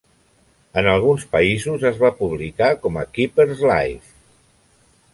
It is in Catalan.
En alguns països es va publicar com a "Keepers Live".